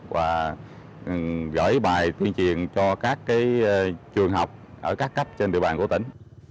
và gửi bài tuyên truyền cho các trường học ở các cấp trên địa bàn của tỉnh